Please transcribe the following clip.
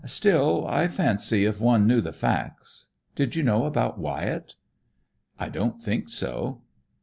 Still, I fancy if one knew the facts Did you know about Wyatt?" "I don't think so."